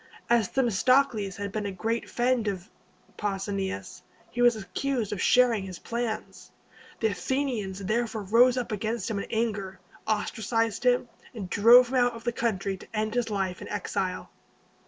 As Themistocles had been a great friend of Pausanias, he was accused of sharing his plans. The Athenians therefore rose up against him in anger, ostracized him, and drove him out of the country to end his life in exile.